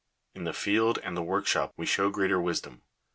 In the field and the workshop we show greater wisdom.